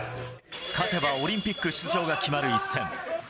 勝てばオリンピック出場が決まる一戦。